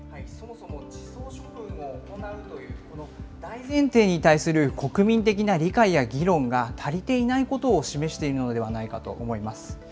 そもそも地層処分を行うというこの大前提に対する国民的な理解や議論が足りていないことを示しているのではないかと思います。